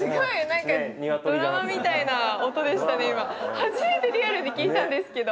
初めてリアルに聞いたんですけど。